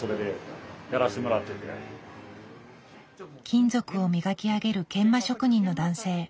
金属を磨き上げる研磨職人の男性。